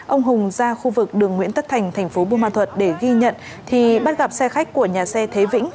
ông hùng ra khu vực đường nguyễn tất thành thành phố buôn ma thuật để ghi nhận thì bắt gặp xe khách của nhà xe thế vĩnh